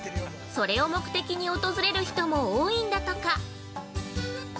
それを目的に訪れる人も多いんだとか。